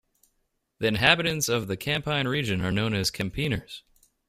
The inhabitants of the Campine region are known as "Kempenaars".